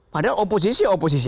padahal oposisi oposisi